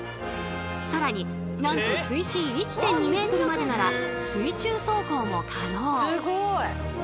さらになんと水深１．２ｍまでなら水中走行も可能。